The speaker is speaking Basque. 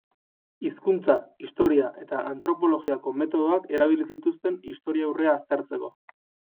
Hizkuntza, historia eta antropologiako metodoak erabili zituen historiaurrea aztertzeko.